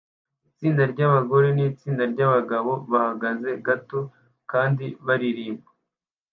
Itsinda ryabagore nitsinda ryabagabo bahagaze gato kandi baririmba